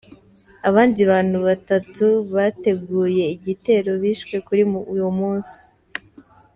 Abandi bantu batatu bateguye igitero bishwe kuri uwo munsi.